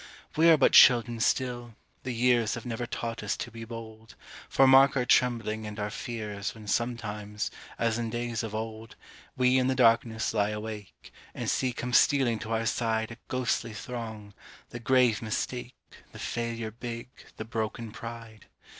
We are but children still, the years Have never taught us to be bold, For mark our trembling and our fears When sometimes, as in days of old, We in the darkness lie awake, And see come stealing to our side A ghostly throng the grave Mistake, The Failure big, the broken Pride.